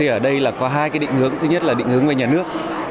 ở đây có hai định hướng thứ nhất là định hướng về nhà nước